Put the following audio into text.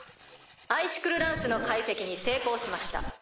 アイシクルランスの解析に成功しました。